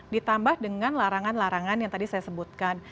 ditambah dengan larangan larangan yang tadi saya sebutkan